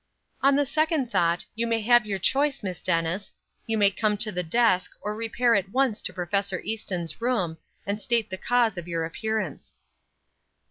"On the second thought, you may have your choice, Miss Dennis; you may come to the desk or repair at once to Prof. Easton's room, and state the cause of your appearance."